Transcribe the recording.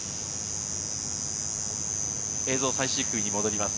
映像は最終組に戻ります。